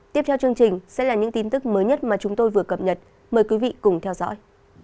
tiếp theo chương trình sẽ là những tin tức mới nhất mà chúng tôi vừa cập nhật mời quý vị cùng theo dõi